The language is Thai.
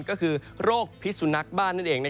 ก็คือโรคพิสุนักบ้านนั่นเอง